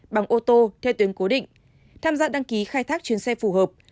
bằng ô tô theo tuyến cố định tham gia đăng ký khai thác chuyến xe phù hợp